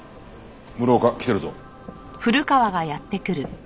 室岡来てるぞ。